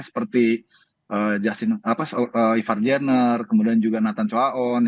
seperti ivar jenner kemudian juga nathan coaon